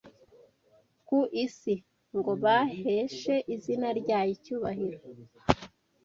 ku isi ngo baheshe izina ryayo icyubahiro